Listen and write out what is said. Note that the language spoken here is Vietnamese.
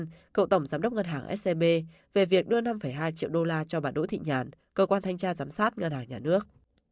võ tấn hoàng văn cậu tổng giám đốc ngân hàng scb về việc đưa năm hai triệu đô la cho bà đỗ thị nhàn cơ quan thanh tra giám sát ngân hàng nhà nước